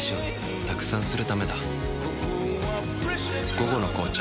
「午後の紅茶」